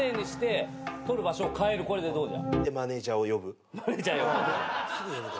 これでどうじゃ？